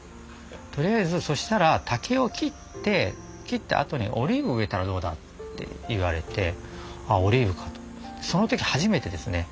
「とりあえずそしたら竹を切って切ったあとにオリーブを植えたらどうだ」って言われてああオリーブかと。その時初めてですね。